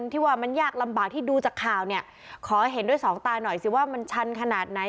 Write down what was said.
ที่ว่ามันยากลำบากที่ดูจากข่าวเนี่ยขอเห็นด้วยสองตาหน่อยสิว่ามันชันขนาดไหน